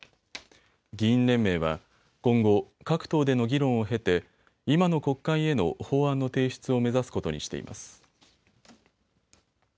議員連盟は今後、各党での議論を経て、今の国会への法案の提出を目指すことにしています。